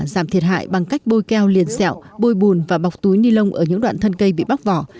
giảm thiệt hại bằng cách bôi keo liền xẹo bôi bùn và bọc túi ni lông ở những đoạn thân cây bị bóc vỏ